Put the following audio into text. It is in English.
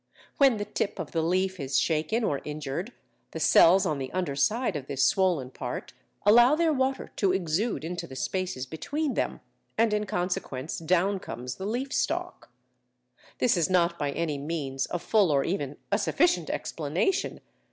When the tip of the leaf is shaken or injured, the cells on the under side of this swollen part allow their water to exude into the spaces between them, and in consequence down comes the leaf stalk. This is not, by any means, a full or even a sufficient explanation.